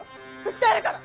訴えるから！